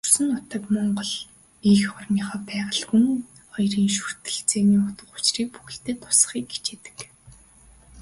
Төрсөн нутаг, Монгол эх орныхоо байгаль, хүн хоёрын шүтэлцээний утга учрыг бүтээлдээ тусгахыг хичээдэг.